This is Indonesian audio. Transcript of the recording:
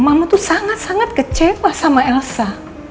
mama tuh sangat sangat kecewa sama elsa